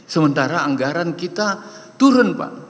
sementara anggaran kita turun pak